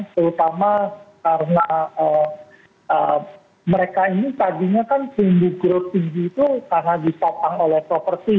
terutama karena mereka ini tadinya kan tinggi growth tinggi itu karena ditopang oleh properti